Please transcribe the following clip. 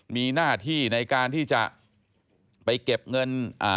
มีหน้าที่ในการที่จะไปเก็บเงิน